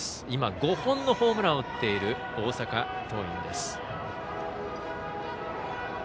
今、５本のホームランを打っている大阪桐蔭です。